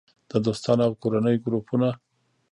- د دوستانو او کورنۍ ګروپونه